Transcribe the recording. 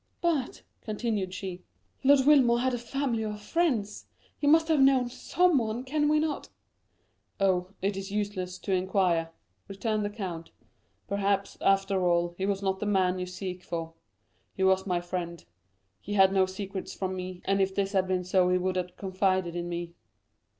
"But," continued she, "Lord Wilmore had a family or friends, he must have known someone, can we not——" "Oh, it is useless to inquire," returned the count; "perhaps, after all, he was not the man you seek for. He was my friend: he had no secrets from me, and if this had been so he would have confided in me."